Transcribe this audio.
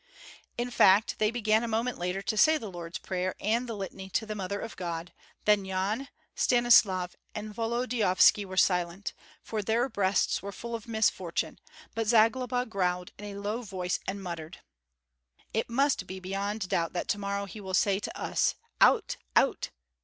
In fact they began a moment later to say the Lord's Prayer and the litany to the Mother of God; then Yan, Stanislav, and Volodyovski were silent, for their breasts were full of misfortune, but Zagloba growled in a low voice and muttered, "It must be beyond doubt that to morrow he will say to us, aut, _aut!